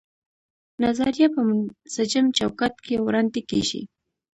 نظریه په منسجم چوکاټ کې وړاندې کیږي.